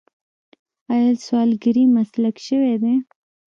آیا سوالګري مسلک شوی دی؟